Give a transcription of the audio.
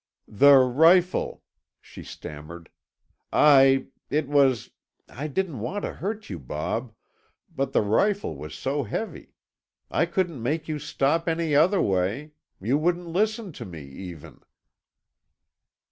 "The rifle," she stammered. "I—it was—I didn't want to hurt you, Bob, but the rifle was so heavy. I couldn't make you stop any other way; you wouldn't listen to me, even."